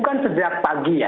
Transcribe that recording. kan sejak pagi ya